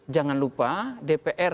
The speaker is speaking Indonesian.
jangan lupa dpr